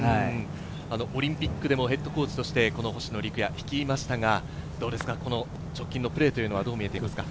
オリンピックでもヘッドコーチとして星野陸也を率いましたが、直近のプレーはどうですか？